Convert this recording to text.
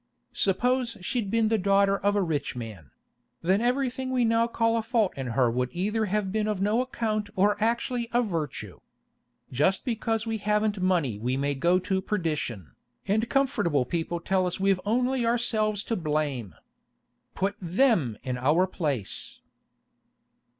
Suppose she'd been the daughter of a rich man; then everything we now call a fault in her would either have been of no account or actually a virtue. Just because we haven't money we may go to perdition, and comfortable people tell us we've only ourselves to blame. Put them in our place!